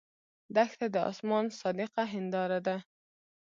دښته د آسمان صادقه هنداره ده.